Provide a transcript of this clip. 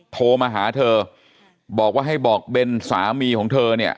โทรมาหาเธอบอกว่าให้บอกเบนสามีของเธอเนี่ย